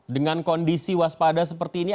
dengan kondisi waspada seperti ini